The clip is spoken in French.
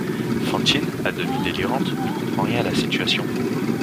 Fantine, à demi délirante, ne comprend rien à la situation.